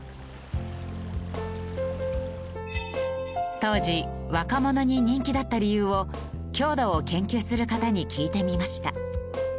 当時若者に人気だった理由を郷土を研究する方に聞いてみました。